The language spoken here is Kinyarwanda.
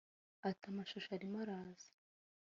Ati “Amashusho arimo araza